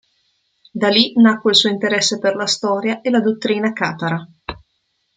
Da lì nacque il suo interesse per la storia e la dottrina catara.